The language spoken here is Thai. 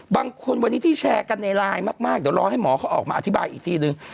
บางคนวันนี้ที่แชร์กันในไลน์มากเดี๋ยวรอให้หมอเขาออกมาอธิบายอีกทีนึง